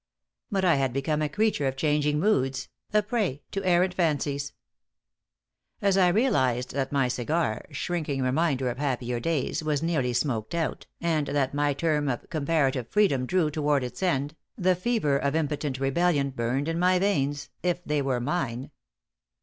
But I had become a creature of changing moods, a prey to errant fancies. As I realized that my cigar shrinking reminder of happier days was nearly smoked out, and that my term of comparative freedom drew toward its end, the fever of impotent rebellion burned in my veins if they were mine.